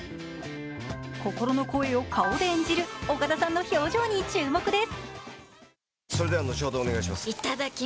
心の声を顔で演じる岡田さんの表情に注目です。